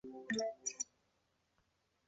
圣索尔夫。